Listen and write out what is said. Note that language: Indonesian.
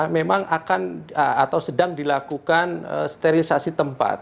memang akan atau sedang dilakukan sterilisasi tempat